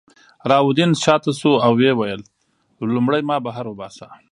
علاوالدین شاته شو او ویې ویل لومړی ما بهر وباسه.